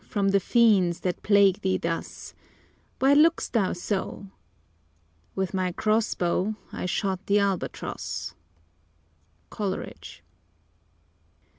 From the fiends, that plague thee thus! Why look'st thou so?" "With my cross bow I shot the Albatross!" COLERIDGE.